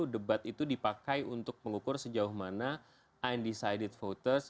debat itu dipakai untuk mengukur sejauh mana undecided voters